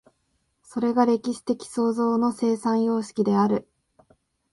それが歴史的創造の生産様式である。